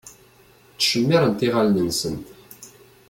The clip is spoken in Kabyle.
Ttcemmiṛent iɣallen-nsent.